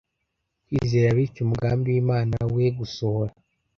kwizera bityo umugambi w’Imana we gusohora.